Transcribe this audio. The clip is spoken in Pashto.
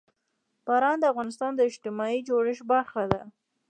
باران د افغانستان د اجتماعي جوړښت برخه ده.